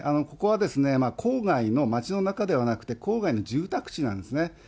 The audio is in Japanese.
ここはですね、郊外の街の中ではなくて、郊外の住宅地なんですね。